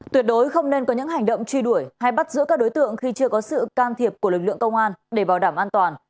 tuyệt đối không nên có những hành động truy đuổi hay bắt giữ các đối tượng khi chưa có sự can thiệp của lực lượng công an để bảo đảm an toàn